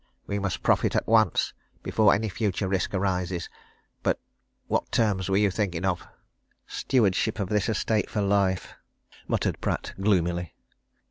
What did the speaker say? We must profit at once before any future risk arises. But what terms were you thinking of?" "Stewardship of this estate for life," muttered Pratt gloomily.